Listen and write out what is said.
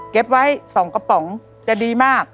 เก็บไว้๒กระป๋องจะดีมาก